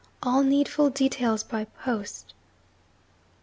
All needful details by post.'